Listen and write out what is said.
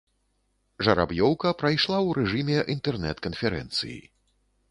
Жараб'ёўка прайшла ў рэжыме інтэрнэт-канферэнцыі.